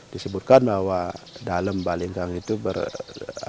disebutkan bahwa dalam balingkang itu berbeda